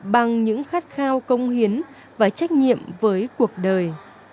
bằng những khát khao công hiến và trách nhiệm với cuộc đời